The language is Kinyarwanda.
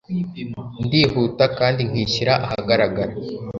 Ndihuta kandi nkishyira ahagaragara